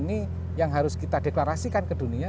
nah upaya ini yang harus kita deklarasikan ke dunia